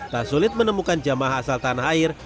tak sulit menemukan jemaah asal tanah air